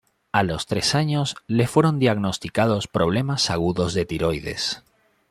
A los tres años le fueron diagnosticados problemas agudos de tiroides.